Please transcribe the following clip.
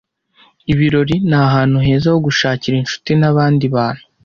Ibirori ni ahantu heza ho gushakira inshuti nabandi bantu.